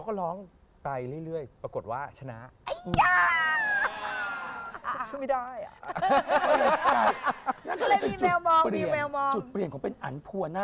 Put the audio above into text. มันเข้ารงของมันเหลวอะ